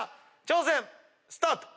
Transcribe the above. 挑戦スタート！